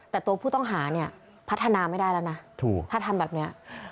แต่ตัวผู้ต้องหาเนี่ยพัฒนาไม่ได้แล้วนะถ้าทำแบบนี้